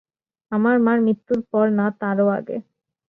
আপনার মার মৃত্যুর পর, না তারো আগে?